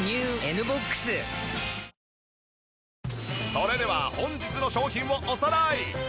それでは本日の商品をおさらい。